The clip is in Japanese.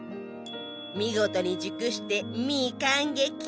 見事に熟してミー感激。